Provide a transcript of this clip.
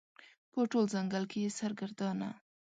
په ټول ځنګل کې یې سرګردانه